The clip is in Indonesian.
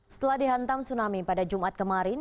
setelah dihantam tsunami pada jumat kemarin